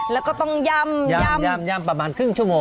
แล้วก็ต้องย่ำย่ำประมาณครึ่งชั่วโมง